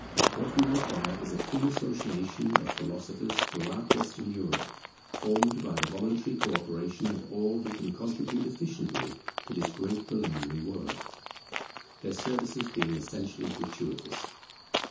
What we require is a free association of philosophers throughout Western Europe, formed by the voluntary co operation of all who can contribute efficiently to this great preliminary work; their services being essentially gratuitous.